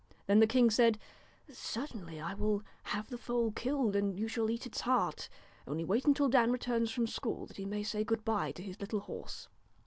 Then the king said: 'Certainly, I will have the foal killed, and you shall eat its heart ; only wait till Dan returns from school, that he may say good bye to his little horse.'